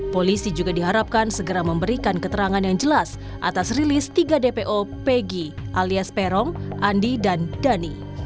polisi juga diharapkan segera memberikan keterangan yang jelas atas rilis tiga dpo peggy alias peron andi dan dhani